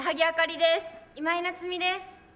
今井菜津美です。